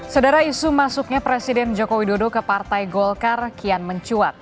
saudara isu masuknya presiden jokowi dodo ke partai golkar kian mencuat